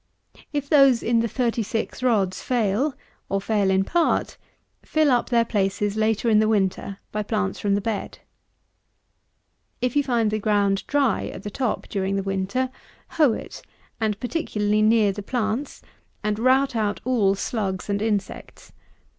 If those in the 36 rods fail, or fail in part, fill up their places, later in the winter, by plants from the bed. 119. If you find the ground dry at the top during the winter, hoe it, and particularly near the plants, and rout out all slugs and insects.